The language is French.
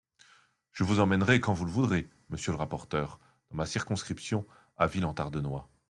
Je vous emmènerai quand vous le voudrez, monsieur le rapporteur, dans ma circonscription à Ville-en-Tardenois.